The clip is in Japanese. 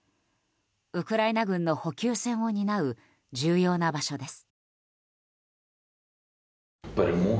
ウクライナ軍の補給線を担う重要な場所です。